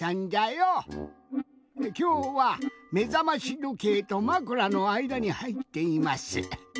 きょうはめざましどけいとまくらのあいだにはいっています。